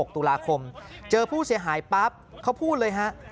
ตุลาคมเจอผู้เสียหายปั๊บเขาพูดเลยฮะ